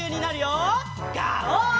ガオー！